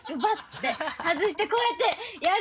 て外してこうやってやる。